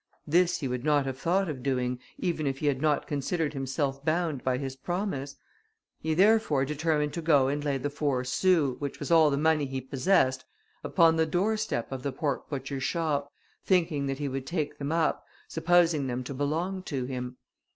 This he would not have thought of doing, even if he had not considered himself bound by his promise; he therefore determined to go and lay the four sous, which was all the money he possessed, upon the door step of the pork butcher's shop, thinking that he would take them up, supposing them to belong to him.